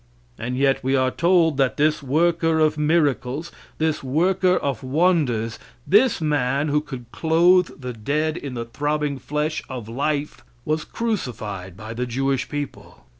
And yet we are told that this worker of miracles, this worker of wonders, this man who could clothe the dead in the throbbing flesh of life, was crucified by the Jewish people.